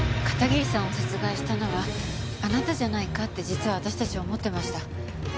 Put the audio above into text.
片桐さんを殺害したのはあなたじゃないかって実は私たち思ってました。